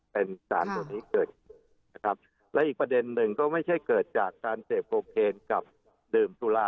เป็นสารตัวนี้เกิดขึ้นนะครับและอีกประเด็นหนึ่งก็ไม่ใช่เกิดจากการเสพโคเคนกับดื่มสุรา